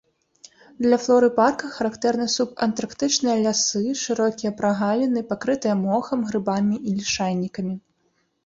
Для флоры парка характэрны субантарктычныя лясы, шырокія прагаліны, пакрытыя мохам, грыбамі і лішайнікамі.